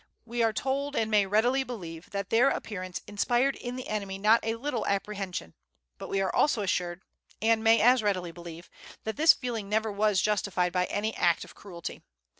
We are told, and may readily believe, that their appearance inspired in the enemy not a little apprehension; but we are also assured, and may as readily believe, that this feeling never was justified by any act of cruelty.